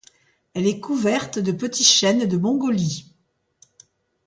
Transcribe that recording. Elle est couverte de petits chênes de Mongolie.